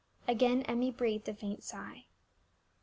Again Emmie breathed a faint sigh.